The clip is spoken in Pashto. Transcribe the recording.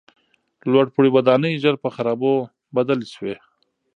لوړپوړي ودانۍ ژر په خرابو بدلې سوې.